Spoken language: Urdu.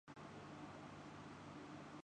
یہ عمرؓ ابن خطاب کا کوڑا نہیں تھا جس کا رعب تھا۔